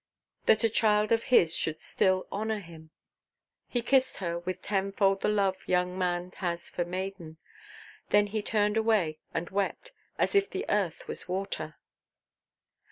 That a child of his should still honour him! He kissed her with tenfold the love young man has for maiden; then he turned away and wept, as if the earth was water.